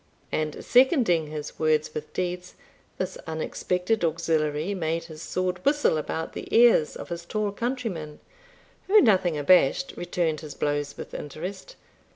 And seconding his words with deeds, this unexpected auxiliary made his sword whistle about the ears of his tall countryman, who, nothing abashed, returned his blows with interest.